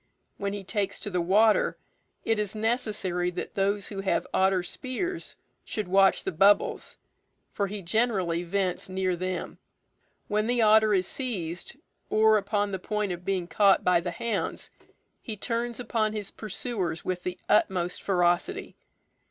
When he takes to the water, it is necessary that those who have otter spears should watch the bubbles, for he generally vents near them. When the otter is seized, or upon the point of being caught by the hounds, he turns upon his pursuers with the utmost ferocity.